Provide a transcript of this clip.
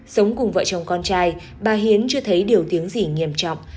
sống cùng vợ chồng con trai bà hiến chưa thấy điều tiếng gì nghiêm trọng